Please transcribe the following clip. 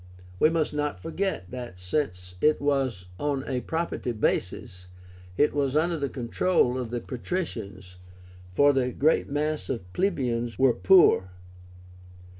We must not forget that, since it was on a property basis, it was under the control of the patricians, for the great mass of plebeians were poor.